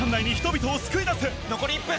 残り１分！